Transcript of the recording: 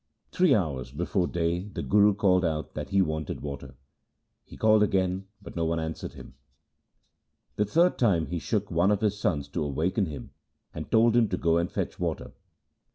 Three hours before day the Guru called out that he wanted water. He called again but no one answered him. The third time he shook one of his sons to awaken him, and told him to go and fetch water.